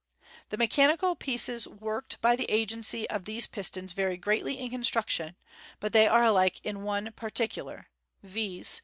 The mechanical pieces worked by the agency of these pistons vary greatly in construction, but they are alike in one particular, viz.